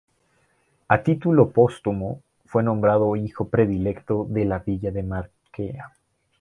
A título póstumo, fue nombrado Hijo Predilecto de la Villa de Marchena.